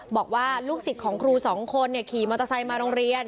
บอกว่าลูกศิษย์ของครูสองคนขี่มอเตอร์ไซค์มาโรงเรียน